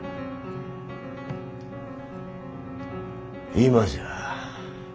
今じゃ。